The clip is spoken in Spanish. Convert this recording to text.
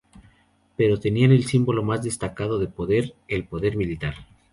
Pero tenía el símbolo más destacado de poder: el poder militar.